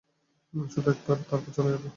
শুধু একবার, তারপর চলে যাব।